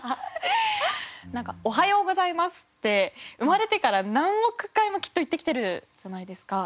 なんか「おはようございます」って生まれてから何億回もきっと言ってきてるじゃないですか。